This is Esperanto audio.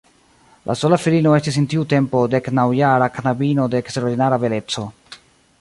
Lia sola filino estis en tiu tempo deknaŭjara knabino de eksterordinara beleco.